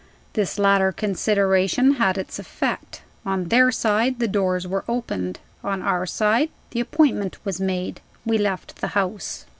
This latter consideration had its effect. On their side, the doors were opened. On our side, the appointment was made. We left the house.